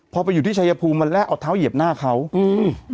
พอไปอยู่ที่ชายภูมิมันแลกเอาเท้าเหยียบหน้าเขาอืม